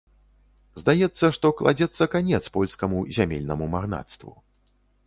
Здаецца, што кладзецца канец польскаму зямельнаму магнацтву.